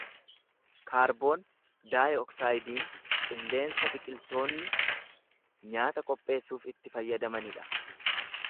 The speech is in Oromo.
Kaarboon daayi-oksaayidiin qilleensa biqiltoonni nyaata qopheessuuf itti fayyadamani dha.